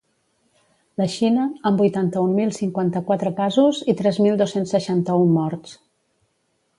La Xina, amb vuitanta-un mil cinquanta-quatre casos i tres mil dos-cents seixanta-un morts.